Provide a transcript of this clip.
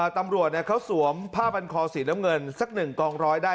ตำรวจเขาสวมผ้าพันคอสีน้ำเงินสัก๑กองร้อยได้